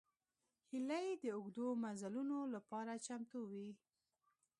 هیلۍ د اوږدو مزلونو لپاره چمتو وي